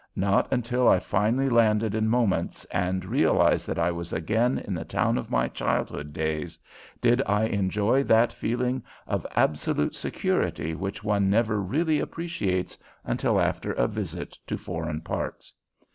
Not until I finally landed in Momence and realized that I was again in the town of my childhood days did I enjoy that feeling of absolute security which one never really appreciates until after a visit to foreign parts.